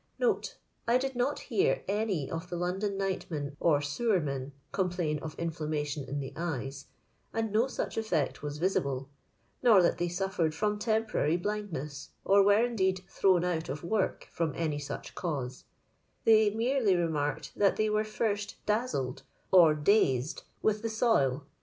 I did not bear any of th« London nightnoan or aewermen complain of inflammation in the tje% and no such effect wai visible ; nor that they sufferod fh>m temporary blindues^ or were, indeed, thrown out of work from any each oaoee; they merely remarked that they were first dauled, or "dauA," with the ■oil.